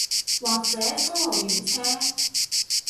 或者科學園車